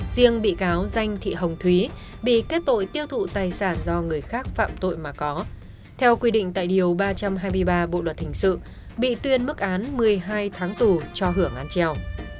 riêng bị cáo danh thị hồng thúy bị kết tội tiêu thụ tài sản do người khác phạm tội mà có theo quy định tại điều ba trăm hai mươi ba bộ luật hình sự bị tuyên mức án một mươi hai tháng tù cho hưởng án treo